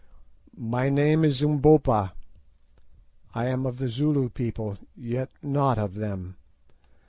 "My name is Umbopa. I am of the Zulu people, yet not of them.